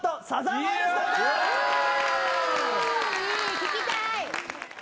聴きたい！